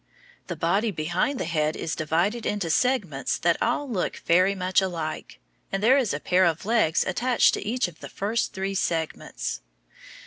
The body behind the head is divided into segments that all look very much alike, and there is a pair of legs attached to each of the first three segments.